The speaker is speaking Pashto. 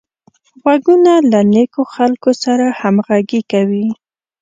غوږونه له نېکو خلکو سره همغږي کوي